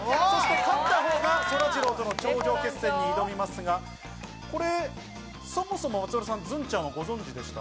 勝ったほうが、そらジローとの頂上決戦に挑みますが、これ、そもそも松丸さん、ズンちゃんご存じでした？